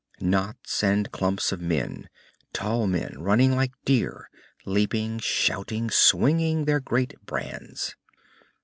Knots and clumps of men, tall men running like deer, leaping, shouting, swinging their great brands.